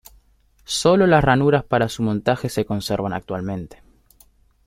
Solo las ranuras para su montaje se conservan actualmente.